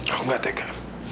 aku gak tega